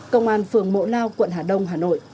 công an phường mộ lao quận hà đông